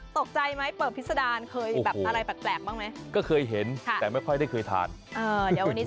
ตกใจไหมเปิบพิษดารเป็นแบบอะไรแปลกบ้างไหม